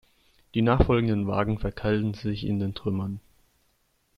Die nachfolgenden Wagen verkeilten sich in den Trümmern.